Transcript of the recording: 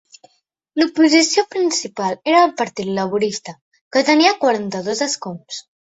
L'oposició principal era del Partit Laborista, que tenia quaranta-dos escons.